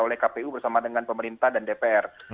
oleh kpu bersama dengan pemerintah dan dpr